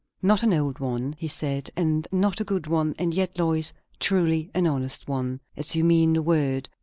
"Not an old one," he said; "and not a good one; and yet, Lois, truly an honest one. As you mean the word.